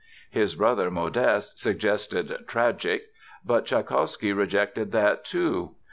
His brother Modeste suggested "Tragic," but Tschaikowsky rejected that too.